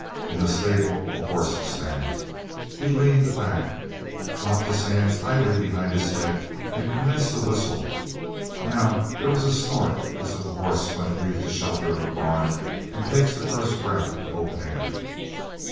In the stable a horse stamped. He leaned back, locked his hands idly behind his head, and commenced to whistle. Now there was a snort, as of a horse when it leaves the shelter of a barn and takes the first breath of open air.